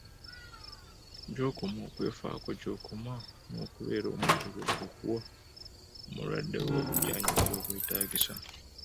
Gy'okoma okwefaako gy'okoma n'okubeera omwetegefu okuwa omulwadde wo obujjanjabi obwetaagisa